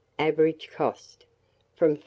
Average cost, from 5s.